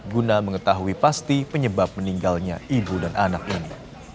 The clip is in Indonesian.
guna mengetahui pasti penyebab meninggalnya ibu dan anak ini